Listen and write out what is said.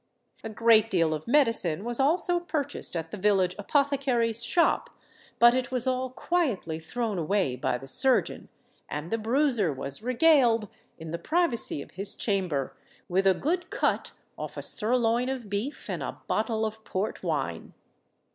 A great deal of medicine was also purchased at the village apothecary's shop; but it was all quietly thrown away by the surgeon, and the Bruiser was regaled, in the privacy of his chamber, with a good cut off a sirloin of beef and a bottle of Port wine.